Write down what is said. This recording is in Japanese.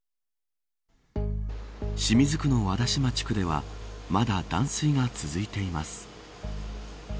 清水区の和田島地区ではまだ断水が続いています。